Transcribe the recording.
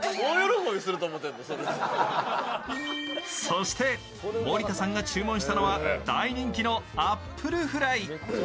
そして、森田さんが注文したのは大人気のアップルフライ。